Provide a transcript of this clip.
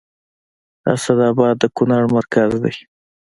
اسداباد د کونړ مرکز دی